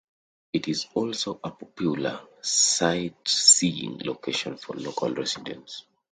It is also a popular sightseeing location for local residents.